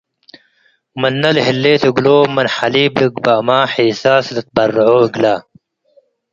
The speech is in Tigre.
ምነ ለህሌት እግሎም ምን ሐሊብ ልግበእመ ሔሳስ ልትበርዖ እግለ ።